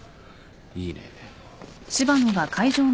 いいね。